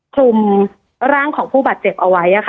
คลุมร่างของผู้บาดเจ็บเอาไว้